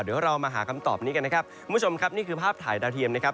เดี๋ยวเรามาหาคำตอบนี้กันนะครับคุณผู้ชมครับนี่คือภาพถ่ายดาวเทียมนะครับ